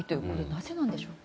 なぜなんでしょうか。